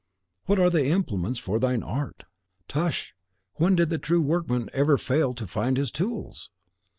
Where are the implements for thine art? Tush! when did the true workman ever fail to find his tools?